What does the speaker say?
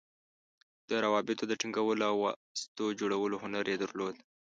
د روابطو د ټینګولو او واسطو جوړولو هنر یې درلود.